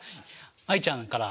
愛ちゃんから。